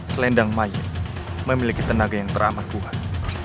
selendang maye memiliki tenaga yang teramat kuat